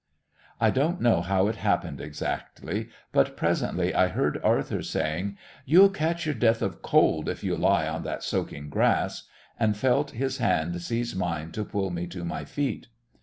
I don't know how it happened exactly, but presently I heard Arthur saying: "You'll catch your death of cold if you lie on that soaking grass," and felt his hand seize mine to pull me to my feet.